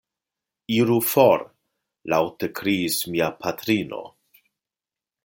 Iru for! laŭte kriis mia patrino.